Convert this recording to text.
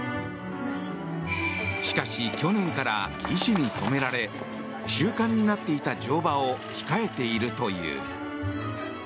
しかし、去年から医師に止められ習慣になっていた乗馬を控えているという。